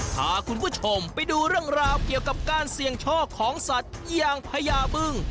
พาคุณผู้ชมไปดูเรื่องราวเกี่ยวกับการเสี่ยงโชคของสัตว์อย่างพญาบึ้ง